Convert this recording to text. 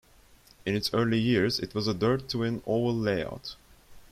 In its early years, it was a dirt twin oval layout.